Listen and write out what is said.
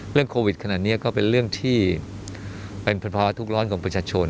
โควิดขนาดนี้ก็เป็นเรื่องที่เป็นภาวะทุกร้อนของประชาชน